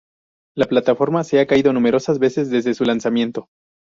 La plataforma se ha caído numerosas veces desde su lanzamiento.